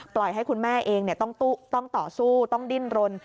ปล่อยให้คุณแม่เองเนี่ยต้องต่อสู้ต้องดิ้นรน